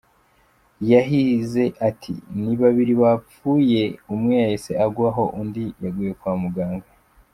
Yahize ati “Ni babiri bapfuye, umwe yahise agwa aho undi yaguye kwa muganga.